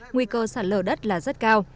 nguy cơ sạt lở đất là rất cao